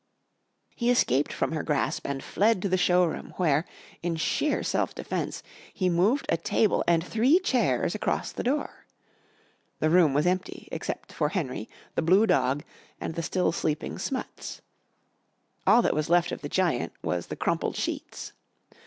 He escaped from her grasp and fled to the showroom, where, in sheer self defence, he moved a table and three chairs across the door. The room was empty except for Henry, the blue dog, and the still sleeping Smuts. All that was left of the giant was the crumpled sheets.